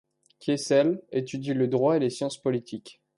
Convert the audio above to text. Kiessel étudie le droit et les sciences politiques.